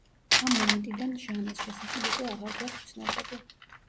ამ მომენტიდან ჟანას შესახებ უკვე აღარ გვაქვს ცნობები.